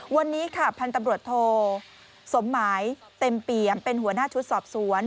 วันนี้ค่ะพันธุ์ตำรวจโทสมหมายเต็มเปี่ยมเป็นหัวหน้าชุดสอบสวน